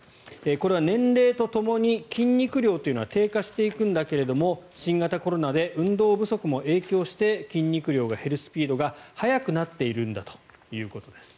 これは年齢とともに筋肉量というのは低下していくんだけども新型コロナで運動不足も影響して筋肉量が減るスピードが早くなっているんだということです。